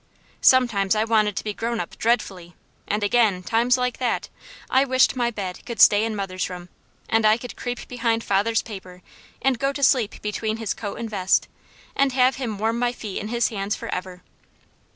Sometimes I wanted to be grown up dreadfully, and again, times like that, I wished my bed could stay in mother's room, and I could creep behind father's paper and go to sleep between his coat and vest, and have him warm my feet in his hands forever.